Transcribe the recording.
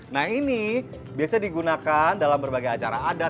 nah ini biasa digunakan dalam berbagai acara adat